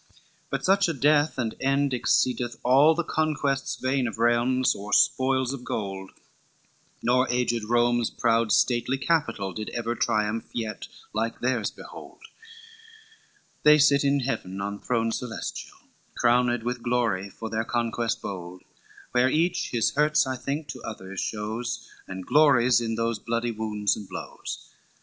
XLIV "But such a death and end exceedeth all The conquests vain of realms, or spoils of gold, Nor aged Rome's proud stately capital, Did ever triumph yet like theirs behold; They sit in heaven on thrones celestial, Crowned with glory, for their conquest bold, Where each his hurts I think to other shows, And glories in those bloody wounds and blows.